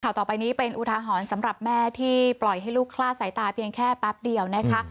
ต่อไปนี้เป็นอุทาหรณ์สำหรับแม่ที่ปล่อยให้ลูกคลาดสายตาเพียงแค่แป๊บเดียวนะคะ